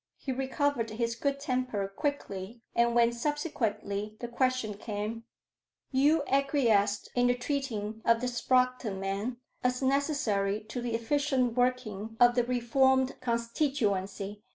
He recovered his good temper quickly, and when, subsequently, the question came "You acquiesced in the treating of the Sproxton men, as necessary to the efficient working of the reformed constituency?"